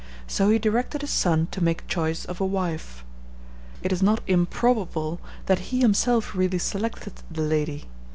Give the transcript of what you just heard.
So he directed his son to make choice of a wife. It is not improbable that he himself really selected the lady.